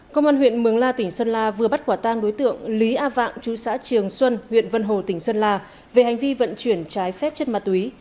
công an huyện mường la tỉnh sơn la vừa bắt quả tang đối tượng lý a vạng chú xã trường xuân huyện vân hồ tỉnh sơn la về hành vi vận chuyển trái phép chất ma túy